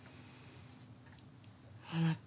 あなた。